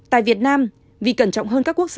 tại việt nam vì cẩn trọng hơn các quốc gia